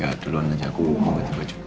ya duluan aja aku ngobotin baju